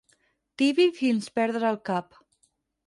Tibi fins perdre el cap.